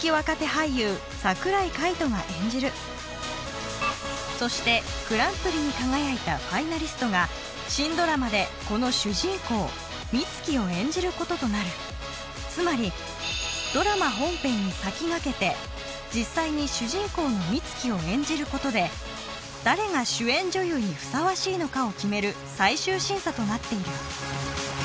俳優櫻井海音が演じるそしてグランプリに輝いたファイナリストが新ドラマでこの主人公・美月を演じることとなるつまりドラマ本編に先駆けて実際に主人公の美月を演じることで誰が主演女優にふさわしいのかを決める最終審査となっている